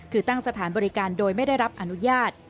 คือตั้งสถานบริการโดยไม่ได้รับอนุญาต